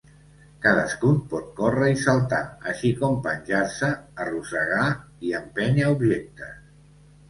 Cadascun pot córrer i saltar, així com penjar-se, arrossegar i empènyer objectes.